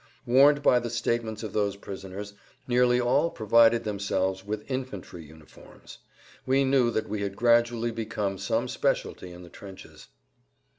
Warned by the statements of those prisoners nearly all provided themselves with infantry uniforms. We knew that we had gradually become some specialty in the trenches.